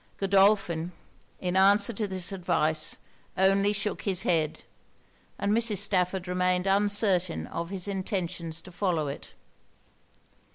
Godolphin, in answer to this advice, only shook his head; and Mrs. Stafford remained uncertain of his intentions to follow it.